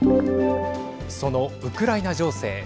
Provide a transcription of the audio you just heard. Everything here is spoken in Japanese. そのウクライナ情勢。